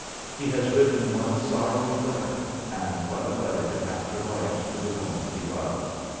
He has written one sorrowing letter and what a letter to have to write to the woman he loves!